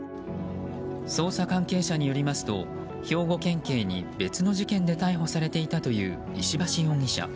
捜査関係者によりますと兵庫県警に別の事件で逮捕されていたという石橋容疑者。